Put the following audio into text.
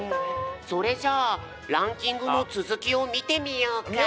それじゃランキングのつづきを見てみようか。